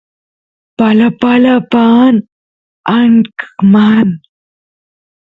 palapala paan anqman